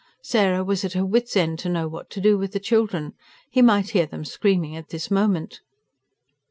Sarah was at her wits' end to know what to do with the children he might hear them screaming at this moment.